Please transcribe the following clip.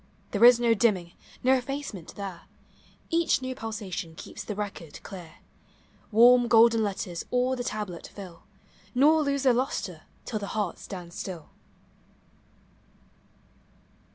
There is no dimming, no effacement there; Each new pulsation keeps the record clear; Warm, golden letters all the tablet fill, Nor lose their lustre till the heart stands still.